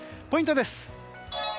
ポイントです。